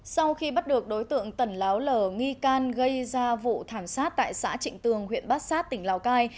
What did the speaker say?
sau khi bắt được đối tượng tẩn láo lở nghi can gây ra vụ thảm sát tại xã trịnh tường huyện bát sát tỉnh lào cai